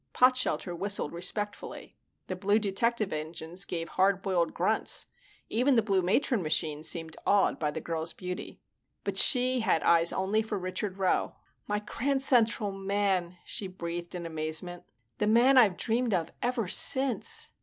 Potshelter whistled respectfully. The blue detective engines gave hard boiled grunts. Even the blue matron machine seemed awed by the girl's beauty. But she had eyes only for Richard Rowe. "My Grand Central man," she breathed in amazement. "The man I've dreamed of ever since.